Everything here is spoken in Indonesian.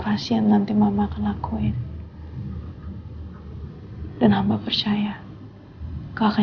jauhkanlah saya dari niat yang buruk ya allah